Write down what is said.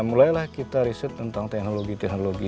mulailah kita riset tentang teknologi teknologi